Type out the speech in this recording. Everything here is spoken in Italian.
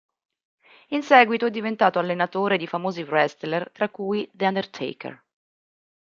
In seguito è diventato allenatore di famosi wrestler tra cui The Undertaker.